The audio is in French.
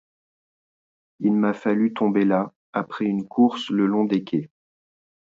Il m'a fallu tomber là, après cette course le long des quais.